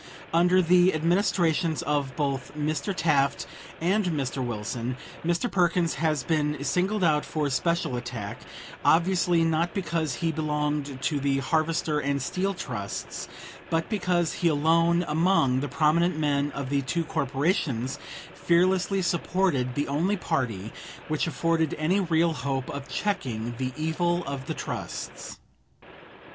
Under the administrations of both Mr. Taft and Mr. Wilson, Mr. Perkins has been singled out for special attack, obviously not because he belonged to the Harvester and Steel Trusts, but because he alone among the prominent men of the two corporations, fearlessly supported the only party which afforded any real hope of checking the evil of the trusts.